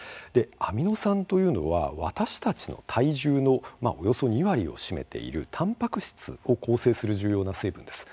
アミノ酸というのは私たちの体重のおよそ２割を占めているたんぱく質を構成する重要な成分です。